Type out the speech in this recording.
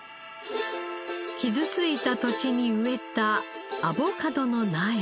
傷ついた土地に植えたアボカドの苗。